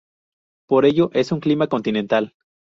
Por ello, es un clima continental.